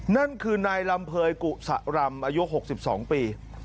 นั่นคือนายลำเภยกุศรำอายุ๖๒ปี